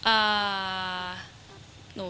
อ่า